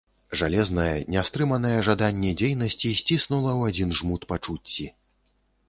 Жалезнае, нястрыманае жаданне дзейнасці сціснула ў адзін жмут пачуцці.